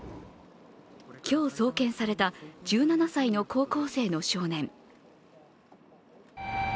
今日送検された１７歳の高校生の少年。